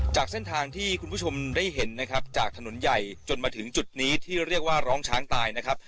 จากเส้นทางที่คุณผู้ชมได้เห็นนะครับจากถนนใหญ่จนมาถึงจุดนี้ที่เรียกว่าร้องช้างตายนะครับ